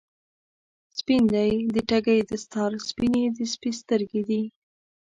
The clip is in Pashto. سپین دی د ټګۍ دستار، سپینې د سپي سترګی دي